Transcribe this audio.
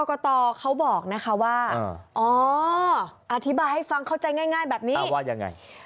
ไปรายงานตัวใช้สิทธิ์ที่หน่วยเลือกตั้ง